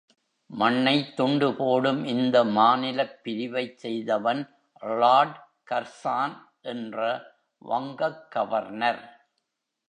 மண்ணைத் துண்டு போடும் இந்த மாநிலப் பிரிவைச் செய்தவன் லார்டு கர்சான் என்ற வங்கக் கவர்னர்.